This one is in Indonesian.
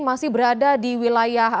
masih berada di wilayah